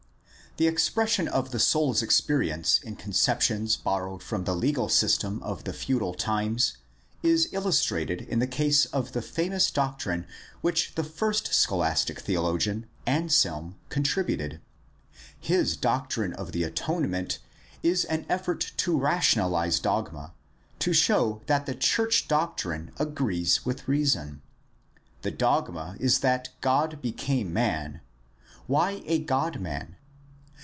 — The expression of the soul's experience in conceptions borrowed from the legal system of the feudal times is illustrated in the case of DEVELOPMENT OF THE CATHOLIC CHURCH 349 the famous doctrine which the first scholastic theologian, Anselm, contributed. His doctrine of the atonement is an effort to rationalize dogma, to show that the church doctrine agrees with reason. The dogma is that God became man. Why a God man